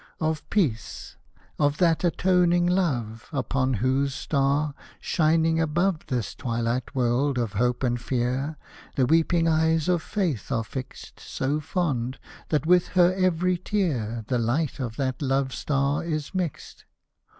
Of Peace — of that Atoning Love, Upon whose star, shining above This twihght world of hope and fear, The weeping eyes of Faith are fixed So fond, that with her every tear The Hght of that love star is mixed